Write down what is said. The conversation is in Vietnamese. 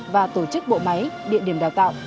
và tổ chức bộ máy địa điểm đào tạo